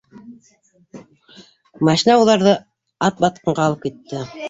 Машина уларҙы Атбатҡанға алып китте